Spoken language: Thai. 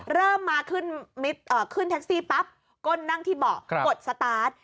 เริ่มมาขึ้นแท็กซี่ปั๊บก้นนั่งที่เบาะกดสตาร์ท